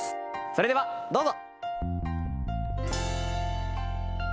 それではどうぞ。